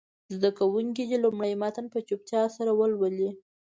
زده کوونکي دې لومړی متن په چوپتیا سره ولولي.